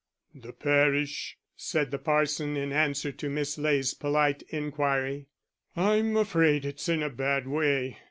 "The parish?" said the parson, in answer to Miss Ley's polite inquiry, "I'm afraid it's in a bad way.